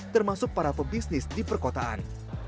termasuk para pebisnis di perkotaan